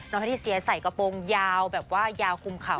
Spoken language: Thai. น้องพระธิเชียใส่กระโปรงยาวแบบว่ายาวคุมเข่า